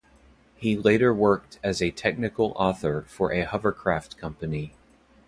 He later worked as a technical author for a hovercraft company.